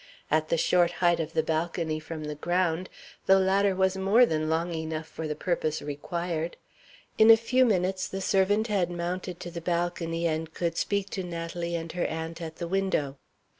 At the short height of the balcony from the ground, the ladder was more than long enough for the purpose required. In a few minutes the servant had mounted to the balcony, and could speak to Natalie and her aunt at the window.